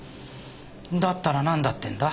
だったらなんだってんだ？